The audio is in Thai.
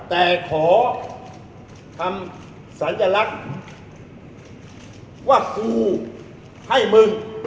แต่ขอทำสัญลักษณ์ว่ากูให้มึง